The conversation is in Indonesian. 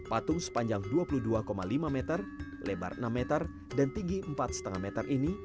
patung sepanjang dua puluh dua lima meter lebar enam meter dan tinggi empat lima meter ini